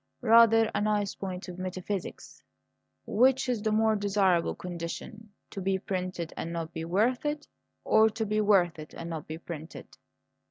Rather a nice point of metaphysics: Which is the more desirable condition, to be printed and not be worth it, or to be worth it and not be printed?